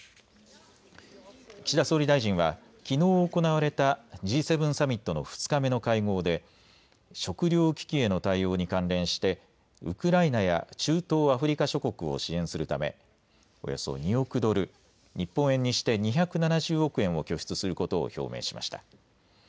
岸田総理大臣はきのう行われたＧ７サミットの２日目の会合で食料危機への対応に関連してウクライナや中東・アフリカ諸国を支援するためおよそ２億ドル、日本円にして２７０億円を拠出することを表明しました。